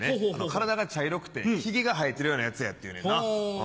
体が茶色くてヒゲが生えてるようなやつやっていうねんな。